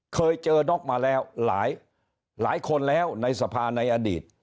เคยเจอน็อกมาแล้วหลายคนแล้วในสภาในอดีต